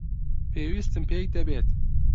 پێویستم پێی دەبێت.